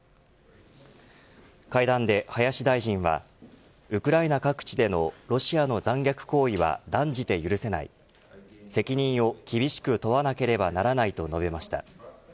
会談で、林大臣はウクライナ各地でのロシアの残虐行為は断じて許せない責任を厳しく問わなければならないと述べました。